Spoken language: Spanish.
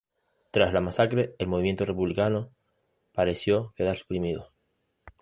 Tras la masacre, el movimiento republicano pareció quedar suprimido.